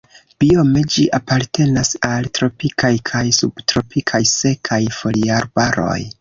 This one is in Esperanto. Biome ĝi apartenas al tropikaj kaj subtropikaj sekaj foliarbaroj.